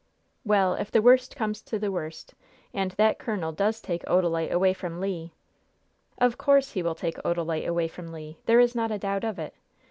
"Well, if the worst comes to the worst, and that colonel does take Odalite away from Le " "Of course he will take Odalite away from Le. There is not a doubt of it.